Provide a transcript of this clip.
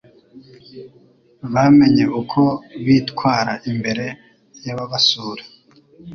bamenye uko bitwara imbere y'ababasura